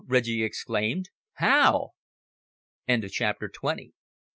Reggie exclaimed. "How?" CHAPTER TWENTY ONE.